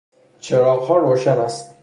چراغﮩا روشن است